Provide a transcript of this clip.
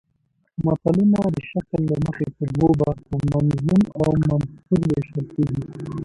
متلونه د شکل له مخې په دوو برخو منظوم او منثور ویشل کیږي